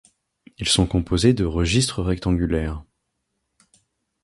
Ils sont composés de registres rectangulaires.